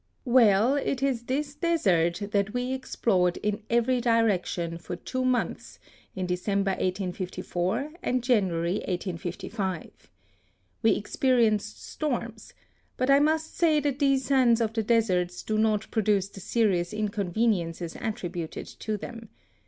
Well, it is this desert that we explored in every direction for two months in December 1854 and January 1855. We experienced storms, but I must say that these sands of the deserts do not produce the serious inconveniences attributed to them.